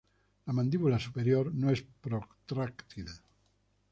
La mandíbula superior no es protráctil.